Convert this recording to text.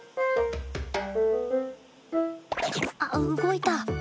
あっ、動いた。